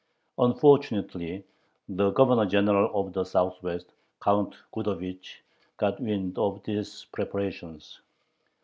Unfortunately the Governor General of the Southwest, Count Gudovich, "got wind" of these preparations.